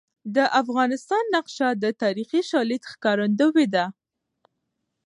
د افغانستان نقشه د تاریخي شالید ښکارندوی ده.